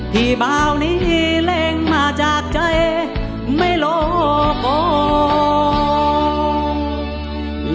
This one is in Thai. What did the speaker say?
พี่เบานี่เล่งมาจากใจไม่โหลโกง